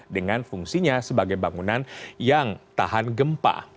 dengan fungsinya sebagai bangunan yang tahan gempa